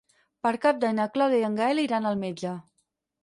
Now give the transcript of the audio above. Per Cap d'Any na Clàudia i en Gaël iran al metge.